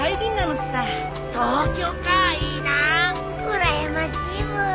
うらやましいブー。